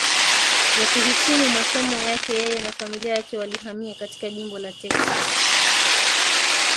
ya kuhitimu masomo yake yeye na familia yake walihamia katika jimbo la Texas Kwa